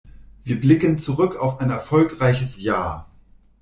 Wir blicken zurück auf ein erfolgreiches Jahr.